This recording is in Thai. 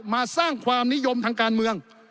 มาสร้างความนิยมทางการเมือง